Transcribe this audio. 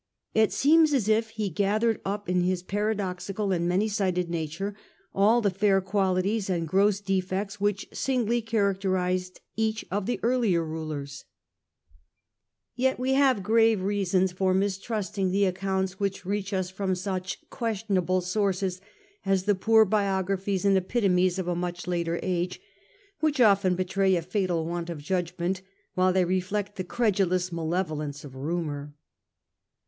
It seemed as if he gathered temper. Up in his paradoxical and manysided nature all the fair qualities and gross defects which singly characterised each of the earlier rulers. Yet we have Hadrian. 117 138 65 Reasons for mistrusting these accounts of ancient authors. grave reasons for mistrusting the accounts which reach us from such questionable sources as the poor biographies and epitomes of a much later age, which often betray a fatal want of judgment while they reflect the credulous malevolence of rumour.